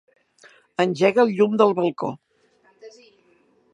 Engega el llum del balcó.